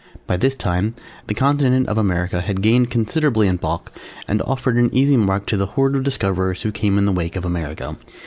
By this time, as the accompanying map will show, the continent of America had gained considerably in bulk and offered an easy mark to the horde of discoverers who came in the wake of Amerigo.